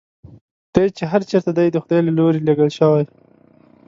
دی چې هر چېرته دی د خدای له لوري لېږل شوی.